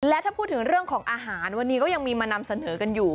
และถ้าพูดถึงเรื่องของอาหารวันนี้ก็ยังมีมานำเสนอกันอยู่